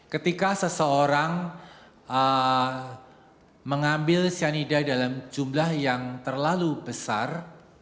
ketika seseorang mengambil cyanida dalam jumlah yang terlalu besar